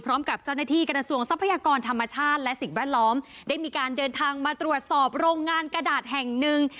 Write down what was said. พร้อมกับเจ้าหน้าที่กระทรวงทรัพยากรธรรมชาติและสิ่งแวดล้อมได้มีการเดินทางมาตรวจสอบโรงงานกระดาษแห่งหนึ่ง